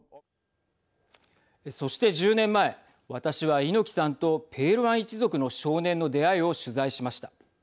そして、１０年前私は猪木さんとペールワン一族の少年の出会いを取材しました。